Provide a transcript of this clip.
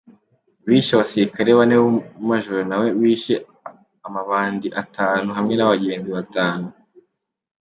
Bishe abasirikare bane n’umu-major nawe wishe amabandi atanu hamwe n’abagenzi batanu.